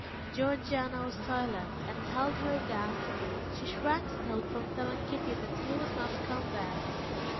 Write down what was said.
Georgiana was silent, and held her down; she shrank still from telling Kitty that he would not come back.